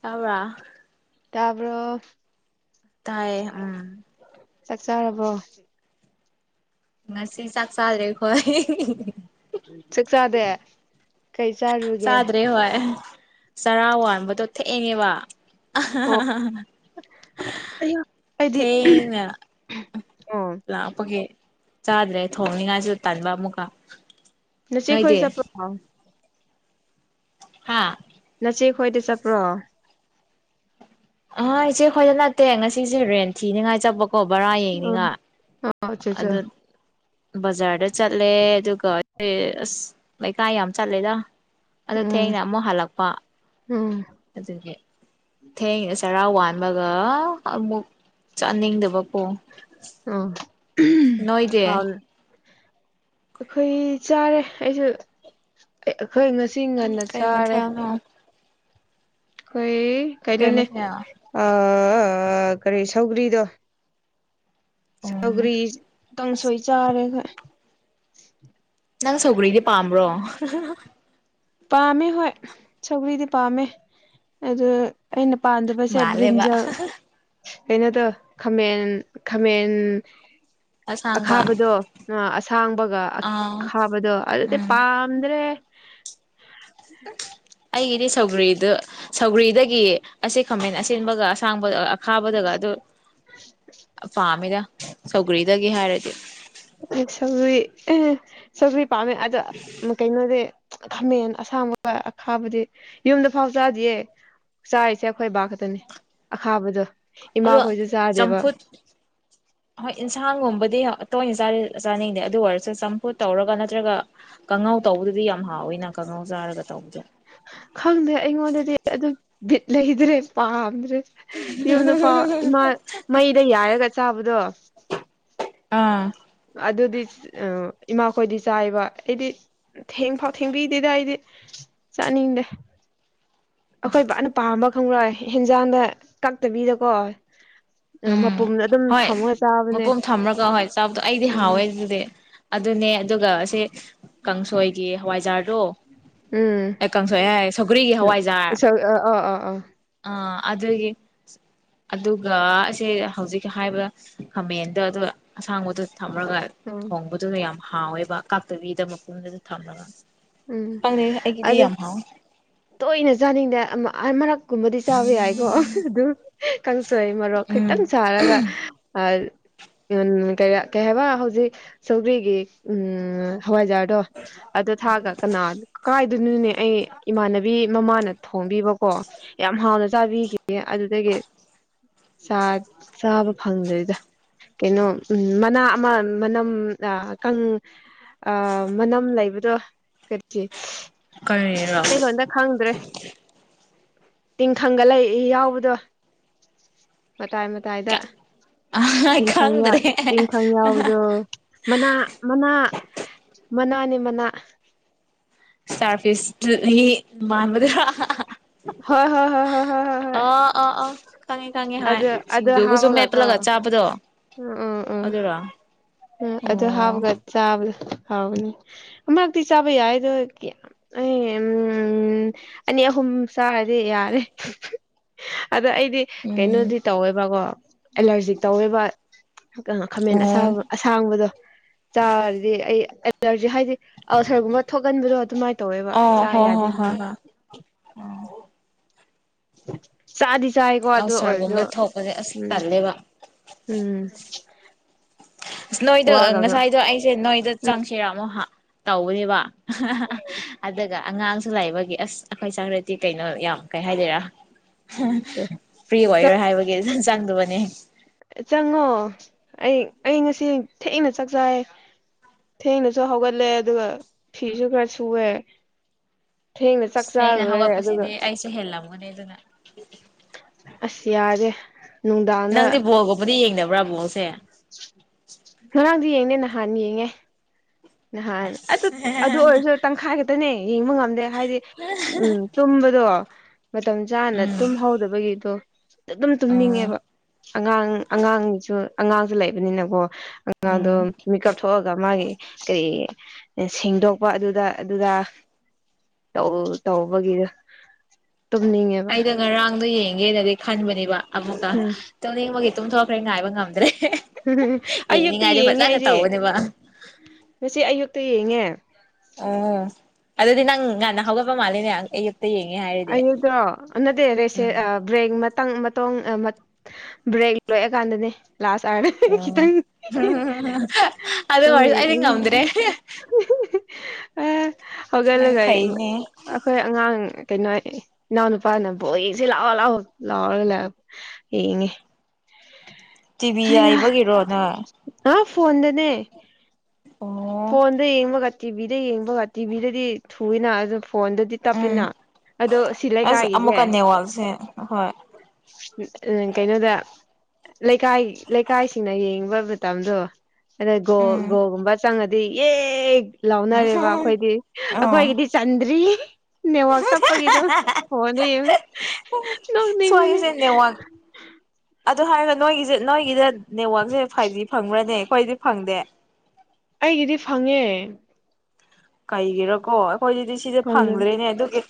ꯇꯥꯕ꯭ꯔꯥ ꯇꯥꯕ꯭ꯔꯣ ꯇꯥꯏꯌꯦ ꯎꯝ ꯆꯥꯛ ꯆꯥꯔꯕꯣ ꯉꯁꯤ ꯆꯥꯛ ꯆꯥꯗ꯭ꯔꯦ ꯑꯩꯈꯣꯏ [unintelligible] ꯆꯥꯛ ꯆꯥꯗꯦ ꯀꯩ ꯆꯥꯔꯨꯏ ꯆꯥꯗ꯭ꯔꯦ ꯍꯣꯏ ꯆꯔꯥ ꯋꯥꯟꯕꯗꯣ ꯊꯦꯡꯉꯦꯕ ꯑꯣ [unintelligible] ꯑꯩ ꯑꯩꯗꯤ ꯊꯦꯡꯅ ꯑꯣ ꯂꯥꯛꯄꯒꯤ ꯆꯥꯗ꯭ꯔꯦ ꯊꯣꯡꯅꯤꯉꯥꯏꯁꯨ ꯇꯟꯕ ꯑꯃꯨꯛꯀ ꯂꯨꯁꯤ ꯈꯣꯏ ꯅꯣꯏꯗꯤ ꯆꯠꯄ꯭ꯔ [unintelligible] ꯍꯥꯥ ꯅꯆꯦ ꯈꯣꯏꯗ ꯆꯠꯄ꯭ꯔꯣ ꯑꯥ ꯏꯆꯦ ꯑꯩꯈꯣꯏꯗ ꯅꯠꯇꯦ ꯉꯁꯤꯁꯦ ꯔꯦꯟ ꯊꯤꯅꯤꯡꯉꯥꯏ ꯆꯠꯄꯀꯣ ꯕꯔꯥ ꯎꯝ ꯌꯦꯡꯅꯤꯡꯉꯥꯏ ꯑꯣ ꯑꯆꯥ ꯑꯗꯨ ꯑꯆꯥ ꯕꯖꯥꯔꯗ ꯆꯠꯂꯦ ꯑꯗꯨꯒ ꯑꯁ ꯂꯩꯀꯥꯏ ꯌꯥꯝ ꯆꯠꯂꯦꯗ ꯑꯗꯨ ꯎꯝ ꯊꯦꯡꯅ ꯑꯃꯨꯛ ꯍꯜꯂꯛꯄ ꯎꯝ ꯑꯗꯨꯒꯤ ꯊꯦꯡꯅ ꯆꯔꯥ ꯋꯥꯟꯕꯒ ꯑꯃꯨꯛ ꯆꯥꯅꯤꯡꯗꯕꯀꯣ ꯑꯣ ꯅꯣꯏꯗꯤ [unintelligible] ꯑꯩꯈꯣꯏ ꯆꯥꯔꯦ ꯑꯩꯁꯨ ꯑꯩꯈꯣꯏ ꯉꯁꯤ ꯉꯟꯅ ꯀꯩ ꯆꯥꯔꯦ ꯃꯊꯦꯜꯅꯣ ꯑꯩꯈꯣꯏ ꯀꯩ ꯀꯩꯅꯣꯅꯦ ꯃꯊꯦꯜ ꯑꯥ ꯀꯔꯤ ꯁꯧꯒ꯭ꯔꯤꯗꯣ ꯎꯝ ꯁꯧꯒꯔꯤ ꯀꯥꯡꯁꯣꯏ ꯆꯥꯔꯦ ꯑꯩꯈꯣꯏ ꯅꯪ ꯁꯧꯒ꯭ꯔꯤꯗꯤ ꯄꯥꯝꯕ꯭ꯔꯣ ꯄꯥꯝꯃꯦ ꯍꯣꯏ ꯁꯧꯒꯔꯤꯗꯤ ꯄꯥꯝꯃꯦ ꯑꯗꯨ ꯑꯩꯅ ꯄꯥꯟꯗꯥꯕꯁꯦ ꯃꯥꯜꯂꯦꯕ ꯕ꯭ꯔꯤꯟꯖꯜ ꯀꯩꯅꯣꯗꯣ ꯈꯥꯃꯦꯟ ꯈꯥꯃꯦꯟ ꯑꯁꯥꯡꯕ ꯑꯈꯥꯕꯗꯣ ꯑꯁꯥꯡꯕꯒ ꯑꯥ ꯑꯈꯥꯕꯗꯣ ꯑꯗꯨꯗꯤ ꯎꯝ ꯄꯥꯝ ꯗ꯭ꯔꯦ ꯑꯩꯒꯤꯗꯤ ꯁꯧꯒ꯭ꯔꯤꯗꯨ ꯁꯧꯒ꯭ꯔꯤꯗꯒꯤ ꯑꯁꯤ ꯈꯥꯃꯦꯟ ꯑꯁꯦꯟꯕꯒ ꯑꯁꯥꯡꯕ ꯑꯈꯥꯕꯗꯒ ꯑꯗꯨ ꯄꯥꯝꯃꯤꯗ ꯁꯧꯒ꯭ꯔꯤꯗꯒꯤ ꯍꯥꯏꯔꯗꯤ ꯁꯧꯔꯤ ꯁꯧꯔꯤ ꯄꯥꯝꯃꯦ ꯑꯗ ꯀꯩꯅꯣꯗꯤ ꯈꯥꯃꯦꯟ ꯑꯁꯥꯡꯕ ꯑꯈꯥꯕꯗꯤ ꯌꯨꯝꯗ ꯐꯥꯎ ꯆꯥꯗꯤꯌꯦ ꯆꯥꯔꯤꯁꯦ ꯑꯩꯈꯣꯏ ꯕꯥ ꯈꯛꯇꯅꯤ ꯑꯈꯥꯕꯗꯣ ꯑꯗꯣ ꯏꯃꯥꯈꯣꯏꯁꯨ ꯆꯥꯗꯦꯕ ꯆꯝꯐꯨꯠ ꯍꯣꯏ ꯏꯟꯁꯥꯡꯒꯨꯝꯕꯗꯤ ꯌꯥꯝ ꯇꯣꯏꯅ ꯆꯔꯦꯅꯥ ꯆꯥꯅꯤꯡꯗꯦ ꯑꯗꯨ ꯑꯣꯏꯔꯁꯨ ꯆꯝꯐꯨꯠ ꯇꯧꯔꯒ ꯅꯠꯇ꯭ꯔꯒ ꯀꯥꯡꯉꯧ ꯇꯧꯕꯗꯨꯗꯤ ꯌꯥꯝ ꯍꯥꯎꯋꯤꯅ ꯀꯥꯡꯉꯧ ꯆꯥꯔꯒ ꯇꯧꯕꯗꯣ ꯈꯪꯗ꯭ꯔꯦ ꯑꯩꯉꯣꯟꯗꯗꯤ ꯑꯗꯨꯝ ꯕꯤꯠ ꯂꯩꯗ꯭ꯔꯦ ꯄꯥꯝꯗ꯭ꯔꯦ ꯌꯨꯝꯗ ꯐꯥꯎ ꯏꯃꯥ ꯃꯩꯗ ꯌꯥꯔꯒ ꯆꯥꯕꯗꯣ ꯑꯥ ꯑꯗꯨꯗꯤ ꯏꯃꯥꯈꯣꯏꯗꯤ ꯆꯥꯏꯕ ꯑꯩꯗꯤ ꯊꯦꯡꯐꯥꯎ ꯊꯦꯡꯕꯤꯗꯦꯗ ꯑꯩꯗꯤ ꯆꯥꯅꯤꯡꯗꯦ ꯑꯩꯈꯣꯏ ꯕꯥꯅ ꯄꯥꯝꯕ ꯈꯪꯪꯂꯣꯏ ꯍꯦꯟꯖꯥꯡꯗ ꯀꯛꯇꯕꯤꯗꯀꯣ ꯃꯄꯨꯝ ꯎꯝ ꯑꯗꯨꯝ ꯍꯣꯏ ꯊꯝꯃꯒ ꯆꯥꯕꯅꯦ ꯃꯄꯣꯝ ꯊꯝꯂꯒ ꯍꯣꯏ ꯆꯥꯕꯗꯣ ꯑꯩꯗꯤ ꯍꯥꯎꯋꯦ ꯎꯝ ꯑꯗꯨꯗꯤ ꯑꯗꯨꯅꯦ ꯑꯗꯨꯒ ꯁꯤ ꯀꯥꯡꯁꯣꯏꯒꯤ ꯍꯋꯥꯏꯖꯥꯔꯗꯣ ꯎꯝ ꯑꯦ ꯀꯥꯡꯁꯣꯏ ꯍꯥꯏ ꯁꯧꯒ꯭ꯔꯤꯒꯤ ꯍꯋꯥꯏꯖꯥꯔ ꯑꯥ ꯑꯥ ꯑꯥ ꯑꯥ ꯑ ꯑꯗꯨꯒꯤ ꯑꯗꯨꯒ [unintelligible] ꯍꯧꯖꯤꯛ ꯍꯥꯏꯕ ꯈꯥꯃꯦꯟꯗ ꯑꯗꯨ ꯑꯁꯥꯡꯕꯗꯣ ꯊꯝꯃꯒ ꯎꯝ ꯊꯣꯡꯕ ꯑꯗꯨ ꯌꯥꯝ ꯍꯥꯎꯋꯦꯕ ꯀꯥꯞꯇꯕꯤꯗ ꯃꯄꯨꯝꯗꯨꯗ ꯊꯝꯃꯒ ꯎꯝ ꯈꯪꯗꯦ ꯑꯩꯒꯤꯗꯤ ꯑꯗꯣ ꯌꯥꯝ ꯍꯥꯎ ꯇꯣꯏꯅ ꯆꯥꯅꯤꯡꯗꯦ ꯑꯃ ꯑꯥꯃꯔꯛꯀꯨꯝꯕꯗꯤ ꯆꯥꯕ ꯌꯥꯏꯀꯣ [unintelligible] ꯀꯥꯡꯁꯣꯏ ꯃꯣꯔꯣꯛ ꯎꯝ ꯈꯤꯇꯪ ꯁꯥꯔꯒ ꯍꯥ [unintelligible] ꯀꯩ ꯍꯥꯏꯕ ꯍꯧꯖꯤꯛ ꯁꯧꯒ꯭ꯔꯤꯒꯤ ꯎꯝ ꯍꯋꯥꯏꯖꯥꯔꯗꯣ ꯑꯗꯨ ꯊꯥꯒ ꯀꯅꯥ ꯀꯥꯏꯗꯨꯅꯨꯅꯦ ꯑꯩ ꯏꯃꯥꯟꯅꯕꯤ ꯃꯃꯥꯅ ꯊꯣꯡꯕꯤꯕꯀꯣ ꯌꯥꯝ ꯍꯥꯎꯅ ꯆꯥꯕꯤꯈꯤꯅꯦ ꯑꯗꯨꯗꯒꯤ ꯆꯥ ꯆꯥꯕ ꯐꯪꯗꯔꯤꯗ ꯀꯩꯅꯣ ꯎꯝ ꯃꯅꯥ ꯑꯃ ꯃꯅꯝ ꯑ ꯀꯪ ꯑꯥ ꯃꯅꯝ ꯂꯩꯕꯗꯣ ꯀꯔꯤ ꯀꯔꯤꯔ ꯃꯩꯇꯩꯂꯣꯟꯗ ꯈꯪꯗ꯭ꯔꯦ ꯇꯤꯡꯈꯪꯒ ꯂꯩꯏ ꯌꯥꯎꯕꯗꯣ ꯃꯇꯥꯏ ꯇꯥꯏꯗ ꯀ ꯑ ꯇꯤꯡꯈꯪ ꯌꯥ ꯈꯪꯗ꯭ꯔꯦ ꯇꯤꯡꯈꯪ ꯌꯥꯎꯕꯗꯣ ꯃꯅꯥ ꯃꯅꯥ ꯃꯅꯥꯅꯤ ꯃꯅꯥ ꯏꯁꯇꯥꯔ ꯐꯤꯁ [unintelligible] ꯃꯥꯕꯗꯨ ꯍꯣꯏ ꯍꯣꯏ ꯍꯣꯏ ꯍꯣꯏ ꯍꯣꯏ ꯍꯣꯏ ꯍꯣꯏ ꯑꯥ ꯑꯥ ꯈꯪꯉꯤ ꯈꯪꯉꯤ ꯍꯣꯏ ꯑꯗꯨ ꯑꯗꯨ ꯁꯤꯡꯖꯨꯒꯁꯨ ꯍꯥꯞꯄꯒꯀꯣ ꯃꯦꯠꯄꯂꯒ ꯆꯥꯕꯗꯣ ꯎꯝ ꯎꯝ ꯎꯝ ꯑꯗꯨꯔꯣ ꯑꯗꯨ ꯑꯣ ꯍꯥꯎꯕꯒ ꯆꯥꯕꯗ ꯍꯥꯎꯅꯤ ꯑꯃꯛꯇꯤ ꯆꯥꯕ ꯌꯥꯏꯗꯣ ꯑꯩ ꯎꯝ ꯑꯅꯤ ꯑꯍꯨꯝ ꯆꯥꯔꯗꯤ ꯌꯥꯔꯦ ꯑꯗ ꯑꯩꯗꯤ ꯎꯝ ꯀꯩꯅꯣꯗꯤ ꯇꯧꯋꯦꯕꯀꯣ ꯑꯦꯂꯔꯖꯤꯛ ꯇꯧꯋꯦꯕ ꯈꯥꯃꯦꯟ ꯑꯣ ꯑꯁꯥꯕ ꯑꯁꯥꯡꯕꯗꯣ ꯆꯥꯔꯗꯤ ꯑꯩ ꯑꯦꯂꯔꯖꯤ ꯍꯥꯏꯗꯤ ꯑꯜꯁꯔꯒꯨꯝꯕ ꯊꯣꯛꯍꯟꯕꯗꯣ ꯑꯗꯨꯃꯥꯏ ꯇꯧꯋꯦꯕ ꯑꯣ ꯆꯥ ꯍꯣ ꯍꯣ ꯌꯥꯗꯦ ꯍꯣꯏ ꯍꯣꯏ ꯆꯥꯗꯤ ꯆꯥꯏꯒꯣ ꯑꯗꯨ ꯑꯣꯏꯔꯁꯨ ꯑꯜꯁꯔꯒꯨꯝꯕ ꯊꯣꯛꯄꯁꯦ ꯑꯁ ꯇꯜꯂꯦꯕ ꯎꯝ ꯑꯁ ꯅꯣꯏꯗ ꯋꯥꯒ ꯉꯥ ꯉꯁꯥꯏꯗꯣ ꯑꯩꯁꯦ ꯅꯣꯏꯗ ꯆꯪꯁꯤꯔꯃꯣꯍꯥ ꯇꯧꯕꯅꯦꯕ ꯑꯗꯨꯒ ꯑꯉꯥꯡꯁꯨ ꯂꯥꯏꯕꯒꯤ ꯑꯁ ꯑꯩꯈꯣꯏ ꯆꯪꯔꯗꯤ ꯀꯩꯅꯣ ꯌꯥꯝ ꯀꯩ ꯍꯥꯏꯗꯣꯏꯔꯥ ꯎꯝ ꯐ꯭ꯔꯤ ꯑꯣꯏꯔꯣꯏ ꯍꯥꯏꯕꯒꯤ ꯑꯗꯨ ꯆꯪꯗꯕꯅꯤ ꯑꯦ ꯆꯪꯉꯣ ꯑꯩ ꯑꯩ ꯉꯁꯤ ꯊꯦꯡꯅ ꯆꯥꯛ ꯆꯥꯏ ꯊꯦꯡꯅꯁꯨ ꯍꯧꯒꯠꯂꯦ ꯑꯗꯨꯒ ꯐꯤꯁꯨ ꯈꯔ ꯁꯨꯋꯦ ꯊꯦꯡꯅ ꯑꯗꯨꯒ ꯍꯧꯒꯠꯄꯁꯤꯗꯤ ꯑꯩꯁꯨ ꯍꯦꯜꯂꯝꯒꯅꯤ ꯑꯗꯨꯅ ꯑꯁ ꯌꯥꯗꯦ ꯅꯨꯡꯗꯥꯡꯗ ꯅꯪꯗꯤ ꯕꯣꯜꯒꯨꯝꯕꯗꯤ ꯌꯦꯡꯅꯕ꯭ꯔꯥ ꯕꯣꯜꯁꯦ ꯉꯔꯥꯡꯗꯤ ꯌꯦꯡꯅꯦ ꯅꯍꯥꯟ ꯌꯦꯡꯉꯦ ꯅꯍꯥꯟ ꯑꯗꯨꯠ ꯑꯗꯨ ꯑꯣꯏꯔꯁꯨ ꯇꯪꯈꯥꯏ ꯈꯛꯇꯅꯦ ꯌꯦꯡꯕ ꯉꯝꯗꯦ ꯍꯥꯏꯗꯤ ꯎꯝ ꯇꯨꯝꯕꯗꯣ ꯃꯇꯝ ꯆꯥꯅ ꯎꯝ ꯇꯨꯝꯍꯧꯗꯕꯒꯤꯇꯣ ꯑꯗꯨꯝ ꯑꯣ ꯇꯨꯝꯅꯤꯡꯉꯦꯕ ꯑꯉꯥꯡ ꯑꯉꯥꯡꯖꯨ ꯑꯉꯥꯡꯖꯨ ꯂꯩꯕꯅꯤꯅꯀꯣ ꯑꯉꯥꯡꯗꯣ ꯎꯝ ꯃꯤꯀꯞ ꯊꯣꯛꯑꯒ ꯃꯥꯒꯤ ꯀꯔꯤ ꯁꯦꯡꯗꯣꯛꯄ ꯑꯗꯨꯗ ꯑꯗꯨꯗ ꯇꯧ ꯇꯧꯕꯒꯤꯒ ꯇꯨꯝꯅꯤꯡꯉꯦꯕ ꯑꯩꯗꯣ ꯉꯔꯥꯡꯗꯣ ꯌꯦꯡꯒꯦꯅꯗꯤ ꯈꯟꯕꯅꯦꯕ ꯑꯃꯨꯛꯀꯥ ꯎꯝ ꯇꯨꯝꯅꯤꯡꯕꯒꯤ ꯇꯨꯝꯊꯣꯛꯈ꯭ꯔꯦ ꯉꯥꯏꯕ ꯉꯝꯗ꯭ꯔꯦ ꯑꯌꯨꯛꯇꯥ ꯌꯦꯡꯅꯤꯡꯉꯥꯏꯗꯤ ꯌꯦꯡꯉꯦ ꯐꯖꯅ ꯑꯩꯖꯤ ꯇꯧꯕꯅꯦꯕ ꯉꯁꯤ ꯑꯌꯨꯛꯇꯥ ꯌꯦꯡꯉꯦ ꯑꯣ ꯑꯗꯨꯗꯤ ꯅꯪ ꯉꯟꯅꯥ ꯍꯧꯒꯠꯄ ꯃꯥꯂꯦꯅꯦ ꯑꯌꯨꯛ ꯇꯥ ꯌꯦꯡꯉꯦ ꯍꯥꯏ ꯑꯌꯨꯛꯗꯣ ꯅꯠꯇꯦ ꯔꯦꯁꯦ ꯑꯥ ꯕ꯭ꯔꯦꯛ ꯃꯇꯪ ꯃꯇꯣꯡ ꯕ꯭ꯔꯦꯛ ꯂꯣꯏꯑꯀꯥꯟꯗꯅꯦ ꯂꯥꯁ ꯑꯋꯔꯅꯦ ꯑꯣ ꯈꯤꯇꯪꯪ ꯑꯗꯨ ꯄꯨꯡ ꯑꯣꯏꯔꯁꯨ ꯑꯩꯗꯤ ꯉꯝꯗ꯭ꯔꯦ [unintelligible] ꯑꯥ ꯅꯪ ꯍꯧꯒꯠꯂꯒ ꯐꯩꯅꯦ ꯑꯈꯣꯏ ꯑꯉꯥꯡ ꯀꯩꯅꯣ ꯏꯅꯥꯎꯅꯨꯄꯥꯅ ꯕꯣꯜ ꯌꯦꯡꯁꯤ ꯂꯥꯎꯑꯣ ꯂꯥꯎꯑꯣ ꯂꯥꯎꯔꯒ ꯂꯥꯥ ꯌꯦꯡꯉꯦ [inaudible] ꯇꯤꯚꯤ ꯌꯥꯏꯕꯒꯤꯔꯣ ꯅꯣꯏ ꯑꯥ ꯐꯣꯟꯗꯅꯦ ꯑꯣ ꯐꯣꯟꯗ ꯌꯦꯡꯕꯒ ꯇꯤꯚꯤꯗ ꯌꯦꯡꯕꯒ ꯇꯤꯚꯤꯗꯗꯤ ꯊꯨꯏꯅ ꯑꯗꯨ ꯐꯣꯟꯗꯗꯤ ꯎꯝ ꯇꯞꯄꯤꯅ ꯑꯗꯣ ꯁꯤ ꯂꯩꯀꯥꯏꯒꯤꯁꯦ ꯇꯣ ꯋꯥꯜꯁꯦ ꯑꯍꯣꯏ ꯎꯝ ꯀꯩꯅꯣꯗ ꯂꯩꯀꯥꯏ ꯂꯩꯀꯥꯏꯁꯤꯡꯅ ꯌꯦꯡꯕ ꯃꯇꯝꯗꯣ ꯑꯗꯥ ꯒꯣꯜ ꯎꯝ ꯒꯣꯜꯒꯨꯝꯕ ꯆꯪꯉꯗꯤ ꯌꯦ ꯂꯥꯎꯅꯔꯦꯕ ꯑꯈꯣꯏꯗꯤ ꯑꯣ ꯑꯈꯣꯏꯒꯤꯗꯤ ꯆꯟꯗ꯭ꯔꯤ ꯅꯦꯋꯥꯛ ꯇꯞꯄꯒꯤꯗꯣ ꯐꯣꯟꯗ ꯌꯦꯡꯕꯩ ꯅꯣꯛ ꯁ꯭ꯋꯥꯏꯒꯤꯁꯦ ꯅꯦꯋꯥꯛ ꯑꯗꯨ ꯍꯥꯏꯔꯒ ꯅꯣꯏꯒꯤꯖꯦ ꯅꯣꯏꯒꯤꯗ ꯅꯦꯠꯋꯥꯛꯁꯦ ꯐꯥꯏꯚ ꯖꯤ ꯐꯪꯕ꯭ꯔꯥꯅꯦ ꯑꯩꯈꯣꯏꯗꯤ ꯐꯪꯗꯦ ꯑꯩꯒꯤꯗꯤ ꯐꯪꯉꯦ ꯀꯩꯒꯤꯔꯀꯣ ꯑꯩꯈꯣꯏꯒꯤꯗꯤ ꯁꯤꯗꯤ ꯀꯥꯎꯅ ꯐꯪꯗ꯭ꯔꯦꯅꯦ ꯑꯗꯨꯒꯤ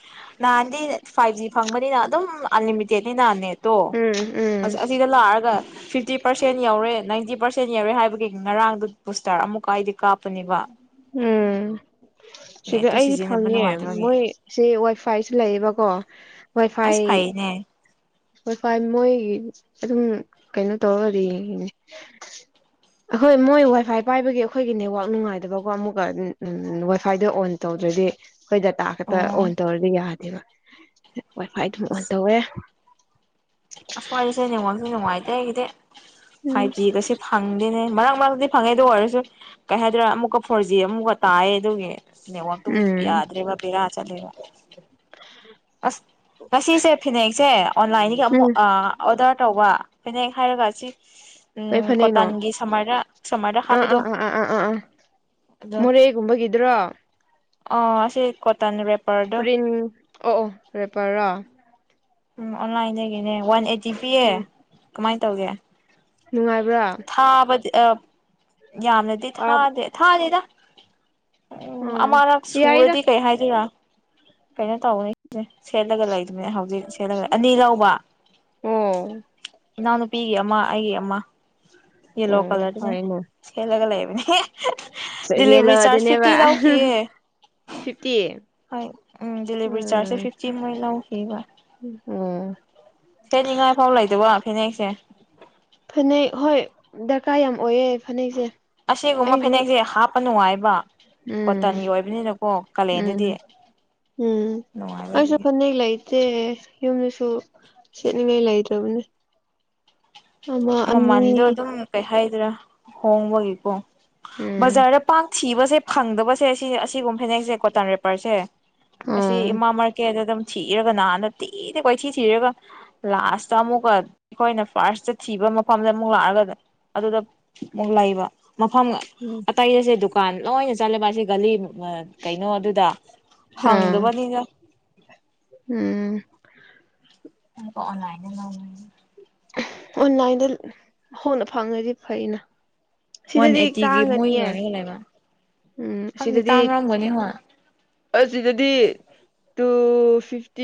ꯅꯍꯥꯟꯗꯤ ꯐꯥꯏꯚ ꯖꯤ ꯐꯪꯕꯅꯤꯅ ꯑꯗꯨꯝ ꯑꯟꯂꯤꯃꯤꯇꯦꯠꯇꯤ ꯅꯍꯥꯟꯅꯦ ꯇꯣ ꯎꯝ ꯎꯝ ꯑꯁ ꯑꯁꯤꯗ ꯂꯥꯔꯑꯒ ꯐꯤꯐꯇꯤ ꯄꯥꯔꯁꯦꯟ ꯌꯧꯔꯦ ꯅꯥꯏꯟꯇꯤ ꯄꯥꯔꯁꯦꯟ ꯌꯧꯔꯦ ꯍꯥꯏꯕꯒꯤ ꯉꯔꯥꯡꯗꯨ ꯄꯨꯁꯇꯔ ꯑꯃꯨꯛꯀꯥꯏꯗꯤ ꯀꯥꯞꯄꯅꯦꯕ ꯎꯝ ꯁꯤꯗ ꯅꯦꯠꯇꯨ ꯑꯩꯗꯤ ꯁꯤꯖꯤꯟꯅꯕ ꯐꯪꯉꯦ ꯅꯨꯡꯉꯥꯏꯇꯕꯒꯤ ꯃꯣꯏ ꯁꯤ ꯋꯥꯏ ꯐꯥꯏꯁꯨ ꯂꯩꯌꯦꯕꯀꯣ ꯑꯁ ꯐꯩꯅꯦ ꯋꯥꯏ ꯐꯥꯏ ꯃꯣꯏꯒꯤ ꯑꯗꯨꯝ ꯀꯩꯅꯣ ꯇꯧꯔꯒꯗꯤ ꯌꯦꯡꯉꯤꯅꯦ ꯑꯩꯈꯣꯏ ꯃꯣꯏ ꯋꯥꯏꯐꯥꯏ ꯄꯥꯏꯕꯒꯤ ꯑꯩꯈꯣꯏꯒꯤ ꯅꯦꯠꯋꯥꯛ ꯅꯨꯡꯉꯥꯏꯗꯕꯀꯣ ꯑꯃꯨꯛꯀꯥ ꯋꯥꯏꯐꯥꯏꯗꯣ ꯑꯣꯟ ꯇꯧꯗ꯭ꯔꯥꯗꯤ ꯑꯩꯈꯣꯏ ꯗꯥꯇꯥ ꯈꯛꯇ ꯑꯣ ꯑꯣꯟ ꯇꯧꯔꯗꯤ ꯌꯥꯗꯦꯕ ꯋꯥꯏ ꯐꯥꯏ ꯑꯗꯨꯝ ꯑꯣꯟ ꯇꯧꯋꯦ ꯑꯁꯁꯥꯢꯁꯦ ꯅꯦꯠꯋꯛ ꯅꯨꯡꯉꯥꯏꯇꯦ ꯑꯩꯒꯤꯗꯤ ꯎꯝ ꯐꯥꯏꯚ ꯖꯤꯒꯁꯦ ꯐꯪꯗꯦ ꯐꯪꯗꯤꯅꯦ ꯃꯔꯛ ꯃꯔꯛꯇꯤ ꯐꯪꯉꯦ ꯑꯗꯨ ꯑꯣꯏꯔꯁꯨ ꯀꯩ ꯍꯥꯏꯗꯣꯏꯅꯣ ꯑꯃꯨꯛꯀ ꯐꯣꯔ ꯖꯤ ꯑꯃꯨꯛꯀ ꯇꯥꯏꯑꯦ ꯑꯗꯨꯒꯤ ꯅꯦꯠꯋꯛ ꯇꯨ ꯌꯥꯗ꯭ꯔꯦꯕ ꯄꯦꯔꯥ ꯆꯠꯂꯩꯕ ꯎ [unintelligible] ꯑꯁ ꯉꯁꯤꯁꯦ ꯐꯤꯅꯦꯛꯁꯦ ꯑꯣꯟꯂꯥꯏꯟꯗꯒꯤ ꯎꯝ ꯑꯃꯨꯛ ꯑꯣꯗꯔ ꯇꯧꯕ ꯐꯅꯦꯛ ꯍꯥꯏꯔꯒ ꯑꯁꯤ ꯀꯩ ꯎꯝ ꯐꯅꯦꯛꯅꯣ ꯀꯣꯇꯟꯒꯤ ꯁꯝꯃꯔꯗ ꯁꯝꯃꯔꯗ ꯍꯥꯞꯄꯗꯣ ꯑꯗꯣ ꯃꯣꯔꯦꯒꯨꯝꯕꯒꯤꯗ꯭ꯔꯣ ꯑꯣ ꯑꯁꯤꯁꯦ ꯀꯣꯇꯟ ꯔꯦꯞ ꯎꯝ ꯑꯣ ꯑꯣ ꯔꯦꯞꯄꯔꯔꯣ ꯎꯝ ꯑꯣꯟꯂꯥꯏꯟꯗꯒꯤꯅꯦ ꯋꯥꯟ ꯑꯠꯇꯤ ꯄꯤꯌꯦ ꯎꯝ ꯀꯃꯥꯏꯅ ꯇꯧꯒꯦ ꯅꯨꯡꯉꯥꯏꯕ꯭ꯔꯥ ꯊꯥꯕꯗꯤ ꯑ ꯌꯥꯝꯅꯗꯤ ꯄꯥꯕ ꯊꯥꯗꯦ ꯊꯥꯗꯦꯗ ꯎꯝ ꯑꯃꯔꯛ ꯌꯥꯏꯗ ꯁꯨꯔꯗꯤ ꯀꯩ ꯍꯥꯏꯗꯣꯏꯔꯥ ꯀꯩꯅꯣ ꯇꯧꯅꯤ ꯁꯤꯅꯦ ꯁꯦꯠꯂꯒ ꯂꯩꯗꯨꯅꯦ ꯍꯧꯖꯤ ꯁꯦꯠꯂꯒ ꯑꯅꯤ ꯂꯧꯕ ꯑꯣ ꯏꯅꯥꯎꯅꯨꯄꯤꯒꯤ ꯑꯃ ꯑꯩꯒꯤ ꯑꯃ ꯌꯦꯂꯣ ꯑꯣ ꯀꯂꯔꯗꯨꯅꯦ ꯐꯩꯅꯦ ꯁꯦꯠꯂꯒ ꯂꯩꯕꯅꯦꯍ ꯌꯦꯜꯂꯣ ꯗꯤꯂꯤꯚꯔꯤ ꯆꯥꯔꯖ ꯐꯤꯐꯇꯤ ꯑꯗꯨꯅꯦꯕ ꯂꯧꯈꯤꯌꯦ ꯐꯤꯐꯇꯤ ꯍꯣꯏ ꯎꯝ ꯗꯤꯂꯤꯚꯔꯤ ꯆꯥꯔꯖꯁꯦ ꯐꯤꯐꯇꯤ ꯃꯣꯏ ꯂꯧꯈꯤꯕ ꯎꯝ ꯁꯦꯠꯉꯥꯏ ꯐꯥꯎ ꯂꯩꯗꯕ ꯐꯅꯦꯛꯁꯦ ꯐꯅꯦꯛ ꯍꯣꯏ ꯗꯔꯀꯥꯔ ꯌꯥꯝ ꯑꯣꯏꯌꯦ ꯐꯅꯦꯛꯁꯦ ꯑꯁꯤꯒꯨꯝꯕ ꯑꯩꯁꯨ ꯐꯅꯦꯛꯁꯦ ꯍꯥꯞꯄ ꯅꯨꯡꯉꯥꯏꯕ ꯎꯝ ꯀꯣꯇꯟꯒꯤ ꯑꯣꯏꯕꯅꯤꯅꯀꯣ ꯎꯝ ꯀꯥꯂꯦꯟꯗꯗꯤ ꯎꯝ ꯑꯁꯨ ꯅꯨꯡꯉꯥꯏꯕꯗꯨꯒꯤ ꯐꯅꯦꯛ ꯂꯩꯥ ꯇꯦ ꯌꯨꯝꯗꯁꯨ ꯁꯦꯠꯅꯤꯡꯉꯥꯏ ꯂꯩꯇꯕꯅꯦ ꯃꯃꯜꯗꯣ ꯑꯗꯨꯝ ꯀꯩ ꯍꯥꯏꯗꯣꯢꯅꯣ ꯍꯣꯡꯕꯒꯤꯀꯣ ꯎꯝ ꯕꯖꯥꯔꯗ ꯄ ꯊꯤꯕꯁꯦ ꯐꯪꯗꯕꯁꯦ ꯁꯤ ꯑꯁꯤꯒꯨꯝꯕ ꯐꯦꯅꯦꯛꯁꯦ ꯀꯣꯇꯥꯟ ꯔꯦꯄꯔꯁꯦ ꯑꯁꯤ ꯑꯣ ꯏꯃ ꯃꯀꯦꯠꯗ ꯑꯗꯨꯝ ꯊꯤꯔꯒ ꯅꯍꯥꯟꯗꯒꯤ ꯊꯤꯔꯒ ꯀꯣꯏꯊꯤ ꯊꯤꯔꯒ ꯂꯥꯁꯇ ꯑꯃꯨꯛꯀ ꯑꯩꯈꯣꯏꯅ ꯐꯥꯔꯁꯇ ꯊꯤꯕ ꯃꯐꯝꯗ ꯑꯃꯨꯛ ꯂꯥꯛꯑꯒ ꯑꯗꯨꯗ ꯑꯃꯨꯛ ꯂꯩꯕ ꯃꯐꯝꯒ ꯑꯇꯩ ꯑꯁꯦ ꯗꯨꯀꯥꯟ ꯂꯣꯏꯅ ꯆꯠꯂꯦ ꯃꯥꯁꯦ ꯒꯂꯤ ꯀꯩꯅꯣ ꯑꯗꯨꯗ ꯑ ꯍꯪꯗꯕꯅꯤꯅ ꯎꯝ ꯑꯃꯨꯛꯀ ꯑꯣꯟꯂꯟꯗꯒꯤ ꯂꯧꯅꯤ ꯑꯣꯟꯂꯥꯏꯟꯗ ꯍꯣꯡꯅ ꯐꯪꯉꯗꯤ ꯐꯩꯅ ꯋꯥꯟ ꯁꯤꯗꯗꯤ ꯑꯩꯠꯇꯤꯒꯤ ꯃꯣꯏ ꯇꯥꯡꯉꯅꯤꯌꯦ ꯌꯣꯟꯔꯒ ꯂꯩꯕ ꯎꯝ ꯈꯪꯗꯦ ꯁꯤꯗꯗꯤ ꯇꯥꯡꯔꯝꯒꯅꯤ ꯍꯣꯏ ꯑꯁꯤꯗꯗꯤ ꯇꯨ ꯐꯤꯐꯇꯤ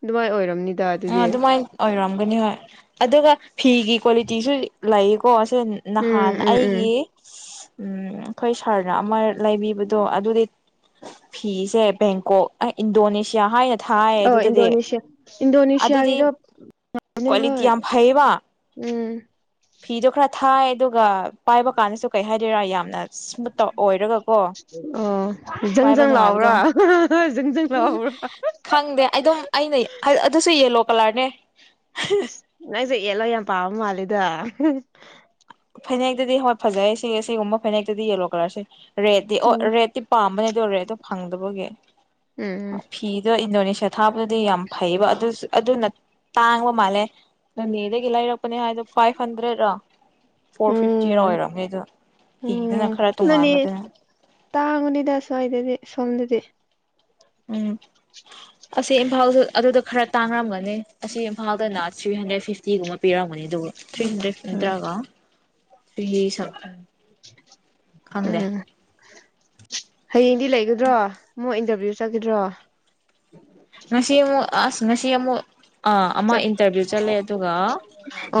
ꯑꯗꯨꯃꯥꯏ ꯑꯣꯏꯔꯝꯅꯤꯗ ꯑꯥ ꯑꯗꯨꯗꯤ ꯑꯗꯨꯃꯥꯏꯅ ꯑꯣꯏꯔꯝꯒꯅꯤ ꯍꯣꯏ ꯑꯗꯨꯒ ꯐꯤꯒꯤ ꯀ꯭ꯋꯥꯂꯤꯇꯤꯁꯨ ꯂꯩꯌꯦꯀꯣ ꯁꯦ ꯎꯝ ꯅꯍꯥꯟ ꯎꯝ ꯎꯝ ꯑꯩꯒꯤ ꯑꯩꯈꯣꯏ ꯁꯥꯔꯅ ꯑꯃ ꯂꯩꯕꯤꯕꯗꯣ ꯑꯗꯨꯗꯤ ꯐꯤꯁꯦ ꯕꯦꯡꯀꯣꯛ ꯑꯩ ꯏꯟꯗꯣꯅꯦꯁꯤꯌꯥ ꯍꯥꯏꯅ ꯊꯥꯏ ꯑꯗꯨꯗꯗꯤ ꯑꯗꯨꯗꯤ ꯏꯟꯗꯣꯅꯦꯁꯤꯌꯥꯒꯤꯗꯣ ꯄꯥꯝꯃꯦ ꯀ꯭ꯋꯥꯂꯤꯇꯤ ꯍꯣꯢ ꯌꯥꯝ ꯐꯩꯌꯦꯕ ꯎꯝ ꯐꯤꯗꯣ ꯈꯔ ꯊꯥꯏ ꯑꯗꯨꯒ ꯄꯥꯏꯕ ꯀꯥꯟꯗꯁꯨ ꯀꯩ ꯍꯥꯏꯗꯣꯏꯔꯥ ꯌꯥꯝꯅ ꯁ꯭ꯃꯨꯠꯇ ꯑꯣꯏꯔꯒꯀꯣ ꯑꯣ ꯖꯪꯖꯪ ꯂꯥꯎꯕ꯭ꯔꯥ ꯖꯪꯖꯪ ꯎ ꯈꯪꯗꯦ ꯑꯩ ꯑꯗꯨꯝ ꯑꯩꯅ ꯑꯗꯨꯁꯨ ꯌꯦꯂꯣ ꯀꯂꯔꯅꯦ ꯑꯁ ꯅꯪꯁꯦ ꯌ‌ꯦꯜꯂꯣ ꯌꯥꯝ ꯄꯥꯝꯕ ꯃꯥꯜꯂꯤꯗ ꯐꯅꯦꯛꯇꯗꯤ ꯍꯣꯏ ꯐꯖꯩ ꯁꯤ ꯁꯤꯒꯨꯝꯕ ꯐꯅꯦꯛꯇꯗꯤ ꯌꯦꯜꯂꯣ ꯀꯂꯔꯁꯦ ꯔꯦꯠꯇꯤ ꯑꯣ ꯎꯝ ꯔꯦꯠꯇꯤ ꯄꯥꯝꯕꯅꯦꯗ‌ꯣ ꯔ‌ꯦꯠꯗꯣ ꯐꯪꯗꯕꯒꯤ ꯐꯤꯗꯣ ꯏꯟꯗꯣꯅꯦꯁꯤꯌꯥ ꯊꯥꯕꯗꯨꯗꯤ ꯌꯥꯝ ꯐꯩꯕ ꯑꯗꯨꯁꯨ ꯑꯗꯨꯅ ꯇꯥꯡꯕ ꯃꯥꯜꯂꯦ ꯅ‌ꯣꯅꯦꯗꯒꯤ ꯂꯩꯔꯛꯄꯅꯦ ꯍꯥꯏꯗꯣ ꯐꯥꯏꯚ ꯍꯟꯗ꯭ꯔꯦꯠꯔꯣ ꯐꯣꯔ ꯐꯤꯐꯇꯤꯔ ꯎꯝ ꯑꯣꯏꯔꯝꯅꯤꯗꯨ ꯐꯤꯗꯨꯅ ꯎꯝ ꯈꯔ ꯃꯅꯤ ꯇꯣꯉꯥꯟꯕꯗꯨ ꯇꯥꯡꯕꯅꯤꯗ ꯁ꯭ꯋꯥꯏꯗꯗꯤ ꯁꯣꯝꯗꯗꯤ ꯎꯝ ꯑꯁꯤ ꯏꯝꯐꯥꯜ ꯑꯗꯨꯗ ꯈꯔ ꯇꯥꯡꯔꯝꯒꯅꯤ ꯑꯁꯤ ꯏꯝꯐꯥꯜꯗꯅ ꯊ꯭ꯔꯤ ꯍꯟꯗ꯭ꯔꯦꯠ ꯐꯤꯐꯇꯤꯒꯨꯝꯕ ꯄꯤꯔꯝꯒꯅꯤ ꯑꯗꯨ ꯊ꯭ꯔꯤ ꯎꯝ ꯍꯟꯗ꯭ꯔꯦꯠ ꯎꯝ ꯅꯠꯇ꯭ꯔꯥꯒ ꯊ꯭ꯔꯤ ꯁꯝꯊꯤꯡ ꯈꯪꯗꯦ ꯎꯝ ꯍꯌꯦꯡꯗꯤ ꯂꯩꯒꯗ꯭ꯔꯣ ꯃꯣꯏ ꯏꯟꯇꯔꯚꯤꯌꯨ ꯆꯠꯈꯤꯗ꯭ꯔꯣ ꯉꯁꯤ ꯑꯃꯨꯛ ꯑꯁ ꯉꯁꯤ ꯑꯃꯨꯛ ꯑꯥ ꯑꯃ ꯆꯠ ꯏꯟꯇꯔꯚꯤꯌꯨ ꯆꯠꯂꯦ ꯑꯗꯨꯒꯥ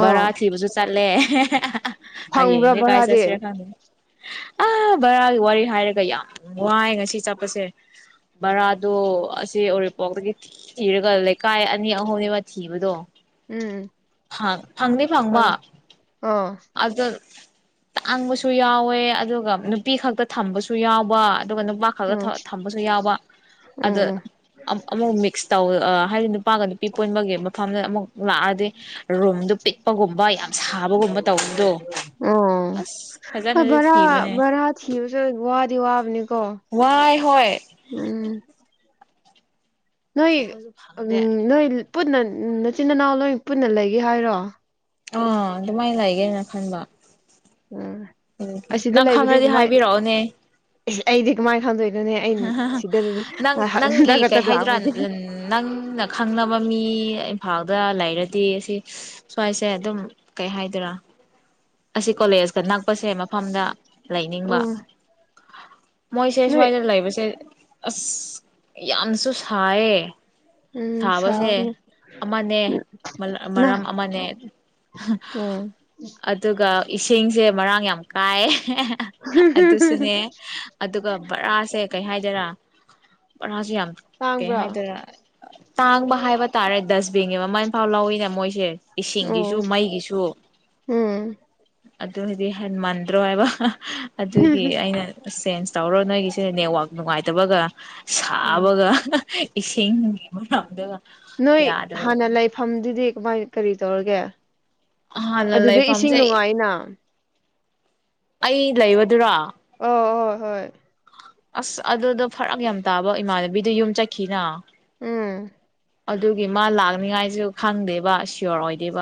ꯕꯔꯥ ꯑꯣ ꯊꯤꯕꯁꯨ ꯆꯠꯂꯦ ꯐꯪꯕ꯭ꯔꯥ ꯍꯌꯦꯡꯗꯤ ꯀꯥꯏ ꯚꯔꯥꯗꯤ ꯆꯠꯁꯤꯔ ꯈꯪꯗꯦ ꯑ ꯕꯔꯥꯒꯤ ꯋꯥꯔꯤ ꯍꯥꯏꯔꯒ ꯌꯥꯝ ꯋꯥꯏ ꯉꯁꯤ ꯆꯠꯄꯁꯦ ꯕꯔꯥꯗꯣ ꯑꯁꯤ ꯑꯣꯔꯤꯞ ꯄ‌ꯣꯛꯇꯒꯤ ꯊꯤ ꯊꯤꯔꯒ ꯂꯩꯀꯥꯏ ꯑꯅꯤ ꯑꯍꯨꯝꯅ‌ꯦꯕ ꯊꯤꯕꯗꯣ ꯎꯝ ꯐꯪꯗꯤ ꯍ‌ꯣꯏ ꯑꯣ ꯑꯥꯗ‌ ꯇꯥꯡꯕꯁꯨ ꯌꯥꯎꯋꯦ ꯑꯗꯨꯒ ꯅꯨꯄꯤ ꯈꯛꯇ ꯊꯝꯕꯁꯨ ꯌꯥꯎꯕ ꯑꯗꯨꯒ ꯅꯨꯄꯥ ꯈꯛꯗ ꯎꯝ ꯊ ꯊꯝꯕꯁꯨ ꯌꯥꯎꯕ ꯑꯗ ꯎꯝ ꯎꯝ ꯑ ꯑꯃꯨꯛ ꯃꯤꯛꯁ ꯇꯧ ꯑꯥ ꯍꯥꯏ ꯅꯨ ꯄꯥꯒ ꯅꯨꯄꯤ ꯄꯨꯟꯕꯒꯤ ꯃꯐꯝꯗ ꯑꯃꯨꯛ ꯂꯥꯛꯑꯗꯤ ꯔꯨꯝꯗꯨ ꯄꯤꯛꯄꯒꯨꯝꯕ ꯌꯥꯝꯅ ꯁꯥꯕꯒꯨꯝꯕ ꯇꯧꯕꯗꯣ [unintelligible] ꯑꯣ ꯑꯁ ꯍ‌ꯣ ꯐꯖꯅꯁꯨ ꯕꯔꯥ ꯊꯤꯕꯅꯦ ꯚꯔꯥ ꯊꯤꯕꯁꯨ ꯋꯥꯗꯤ ꯋꯥꯕꯅꯤꯀꯣ ꯋꯥꯥꯏ ꯍꯣꯏ ꯎꯝ ꯅꯣꯏ ꯊꯤꯕꯁꯨ ꯑꯝ ꯐꯪꯗꯦ ꯅꯣꯏ ꯄꯨꯟꯅ ꯅꯆꯤꯟ ꯅꯅꯥꯎ ꯂꯣꯏ ꯄꯨꯟꯅ ꯂꯩꯒꯦ ꯍꯥꯏꯔꯣ ꯑꯥ ꯑꯗꯨꯃꯥꯏ ꯂꯩꯒꯦꯅꯥ ꯈꯟꯕ ꯎꯝ ꯎꯝ ꯅꯪ ꯈꯪꯉꯗꯤ ꯍꯥꯏꯕꯤꯔꯑꯣꯅꯦ ꯏꯁ ꯑꯩꯗꯤ ꯀꯃꯥꯏ ꯈꯪꯗꯣꯏꯅꯣꯅꯦ ꯑꯩ ꯁꯤꯗ ꯑ ꯍꯟꯇꯛ ꯈꯛꯇ ꯂꯥꯛꯄꯒꯤ ꯎꯝ ꯅꯪꯅ ꯈꯪꯅꯕ ꯃꯤ ꯏꯝꯐꯥꯜꯗ ꯂꯩꯔꯗꯤ ꯁꯤ ꯁ꯭ꯋꯥꯏꯁꯦ ꯑꯗꯨꯝ ꯀꯩ ꯍꯥꯏꯗꯔꯥ ꯑꯁꯤ ꯀꯣꯂꯦꯖꯀ ꯅꯛꯄꯁꯦ ꯃꯐꯝꯗ ꯂꯩꯅꯤꯡꯕ ꯎꯝ ꯃꯣꯏꯁꯦ ꯅꯣꯏ ꯁ꯭ꯋꯥꯏꯗ ꯂꯩꯕꯁꯦ ꯑꯁ ꯌꯥꯝꯁꯨ ꯁꯥꯏꯌꯦ ꯎꯝ ꯁꯥꯕꯁꯦ ꯁꯥꯕꯅꯦ ꯑꯃꯅꯦ ꯃꯂ ꯃꯔꯝ ꯑꯃꯅꯦ ꯑꯣ ꯑꯗꯨꯒ ꯏꯁꯤꯡꯁꯦ ꯃꯔꯥꯡ ꯌꯥꯝ ꯀꯥꯏ ꯑꯗꯨꯁꯨꯅꯦ ꯑꯗꯨꯒ ꯕꯔꯥꯁꯦ ꯀꯩ ꯍꯥꯏꯗꯔꯥ ꯕꯔꯥꯁꯦ ꯌꯥꯝ ꯀꯩ ꯇꯥꯡꯕ꯭ꯔꯣ ꯍꯥꯏꯗꯔꯥ ꯑ ꯇꯥꯡꯕ ꯍꯥꯏꯕ ꯇꯥꯔꯦ ꯗꯁꯕꯤꯟꯒꯤ ꯃꯥꯃꯟꯐꯥꯎ ꯂꯧꯋꯤꯅꯦ ꯃꯣꯏꯁꯦ ꯏꯁꯤꯡꯒꯤꯁꯨ ꯎꯝ ꯃꯩꯒꯤꯁꯨ ꯎꯝ ꯑꯗꯨ ꯍ‌ꯦꯗꯤ ꯍꯦꯟ ꯃꯟꯗ꯭ꯔꯣ ꯍꯥꯏꯕ ꯑꯗꯨꯒꯤ ꯑꯩꯅ ꯑꯁ ꯆꯦꯟꯖ ꯇꯧꯔꯣ ꯅꯣꯏꯒꯤꯁꯤ ꯅꯦꯠꯋꯥꯛ ꯅꯨꯡꯉꯥꯏꯇꯕꯒ ꯎꯝ ꯁꯥꯕꯒ ꯏꯁꯤꯡ [unintelligible] ꯗꯨꯒꯥ ꯅꯣꯏ ꯍꯥꯟꯅ ꯂꯩꯐꯝꯗꯨꯗꯤ ꯀꯃꯥꯏ ꯀꯔꯤ ꯇꯧꯔꯒꯦ ꯍꯥꯟꯅ ꯑꯗꯨꯗꯤ ꯏꯁꯤꯡ ꯂꯩꯐꯝꯁꯦ ꯅꯨꯡꯉꯥꯏꯅꯥ ꯑꯩ ꯂꯩꯕꯗꯨ꯭ꯔꯣ ꯑꯣ ꯑꯣ ꯍꯣꯏ ꯑꯁ ꯑꯗꯨꯗꯣ ꯐꯔꯞ ꯌꯥꯝ ꯇꯥꯕ ꯏꯃꯥꯟꯅꯕꯤꯗꯨ ꯌꯨꯝ ꯆꯠꯈꯤꯅ ꯎꯝ꯫ ꯑꯗꯨꯒꯤ ꯃꯥ ꯂꯥꯛꯅꯤꯉꯥꯏꯁꯨ ꯈꯪꯗꯦꯕ ꯁꯤꯌꯣꯔ ꯑꯣꯏꯗꯦꯕ